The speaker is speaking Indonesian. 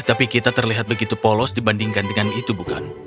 tapi kita terlihat begitu polos dibandingkan dengan itu bukan